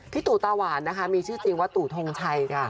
ตู่ตาหวานนะคะมีชื่อจริงว่าตู่ทงชัยค่ะ